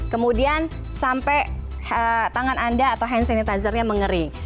kemudian sampai tangan anda atau hand sanitizer nya mengering